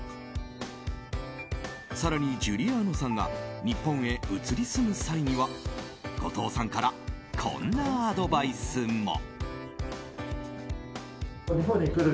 更に、ジュリアーノさんが日本へ移り住む際には後藤さんからこんなアドバイスも。